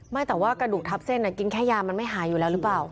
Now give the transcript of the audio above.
ไม่แต่ว่ากระดูกทับเส้นกินแค่ยามันไม่หายอยู่แล้วหรือเปล่า